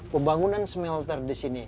pembangunan smelter di sini